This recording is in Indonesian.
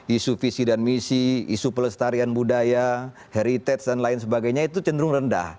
isu visi dan misi isu pelestarian budaya heritage dan lain sebagainya itu cenderung rendah